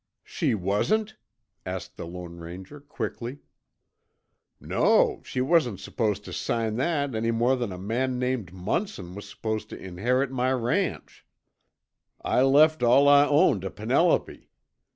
"She wasn't?" asked the Lone Ranger quickly. "No, she wasn't supposed tuh sign that any more than a man named Munson was supposed tuh inherit my ranch. I left all I own tuh Penelope.